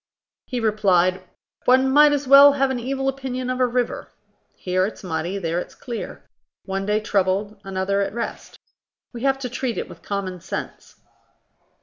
He replied: "One might as well have an evil opinion of a river: here it's muddy, there it's clear; one day troubled, another at rest. We have to treat it with common sense."